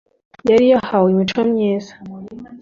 yari yahawimico myiza